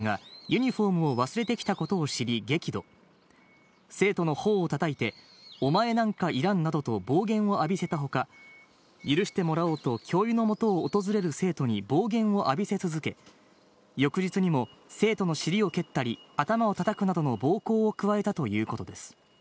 上郡町で行われた地区大会に、部員の女子生徒１６歳がユニホームを忘れてきたことを知り激怒、生徒のほおをたたいて、お前なんかいらんなどと暴言を浴びせたほか、許してもらおうと教諭のもとを訪れる生徒に暴言を浴びせ続け、翌日にも生徒の尻を蹴ったり、頭をたたくなどの暴行を加えたということです。